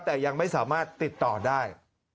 แต่ยังไม่สามารถติดต่อได้